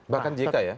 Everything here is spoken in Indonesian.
bahkan jk ya